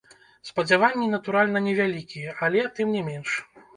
Спадзяванні, натуральна, невялікія, але, тым не менш.